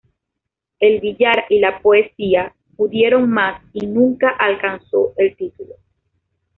El billar y la poesía pudieron más y nunca alcanzó el título.